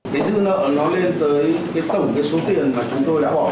cái dư nợ nó lên tới tổng số tiền mà chúng tôi đã bỏ ra